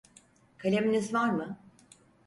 Kaleminiz var mı?